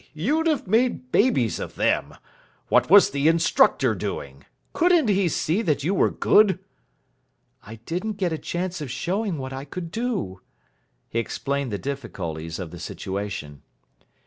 you'd have made babies of them. What was the instructor doing? Couldn't he see that you were good?" "I didn't get a chance of showing what I could do." He explained the difficulties of the situation.